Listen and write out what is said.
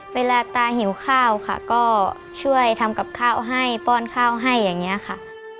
เวลาตาหิวข้าวค่ะก็ช่วยทำกับข้าวให้ป้อนข้าวให้อย่างนี้ค่ะ